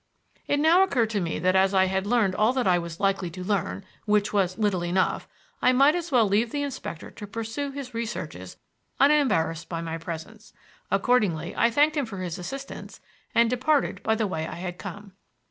It now occurred to me that as I had learned all that I was likely to learn, which was little enough, I might as well leave the inspector to pursue his researches unembarrassed by my presence. Accordingly I thanked him for his assistance and departed by the way I had come.